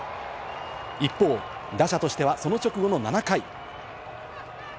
一方、打者としてはその直後の７回。